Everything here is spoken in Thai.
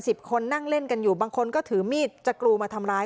คนนั่งเล่นกันอยู่บางคนก็ถือมีดจะกรูมาทำร้าย